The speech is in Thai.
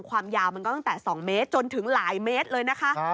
ความยาวมันก็ตั้งแต่๒เมตรจนถึงหลายเมตรเลยนะคะ